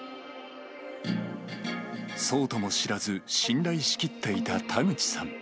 そうとも知らず、信頼しきっていた田口さん。